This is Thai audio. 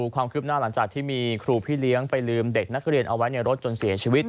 ความคืบหน้าหลังจากที่มีครูพี่เลี้ยงไปลืมเด็กนักเรียนเอาไว้ในรถจนเสียชีวิต